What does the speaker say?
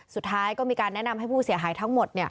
สุดท้ายก็มีการแนะนำให้ผู้เสียหายทั้งหมด